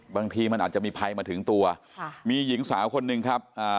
บางทีมันอาจจะมีภัยมาถึงตัวค่ะมีหญิงสาวคนหนึ่งครับอ่า